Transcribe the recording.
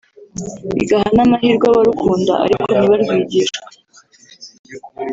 bigaha n’amahirwe abarukunda ariko ntibarwigishwe